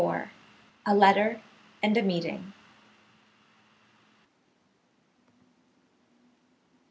A LETTER AND A MEETING.